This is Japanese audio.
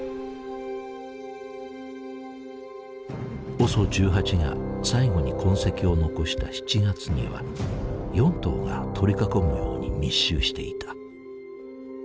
ＯＳＯ１８が最後に痕跡を残した７月には４頭が取り囲むように密集していた。